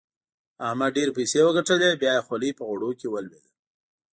احمد ډېرې پيسې وګټلې؛ بيا يې خولۍ په غوړو کې ولوېده.